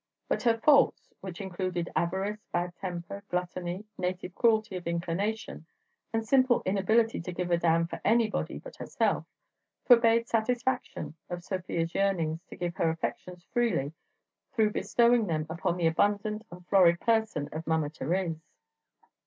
But her faults, which included avarice, bad temper, gluttony, native cruelty of inclination, and simple inability to give a damn for anybody but herself, forbade satisfaction of Sofia's yearnings to give her affections freely through bestowing them upon the abundant and florid person of Mama Thérèse.